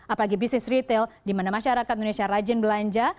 apalagi bisnis retail dimana masyarakat indonesia rajin belanja